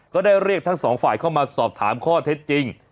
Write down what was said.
ก็ได้เรียกทั้งสองฝ่ายเข้ามาสอบถามข้อเท็จจริง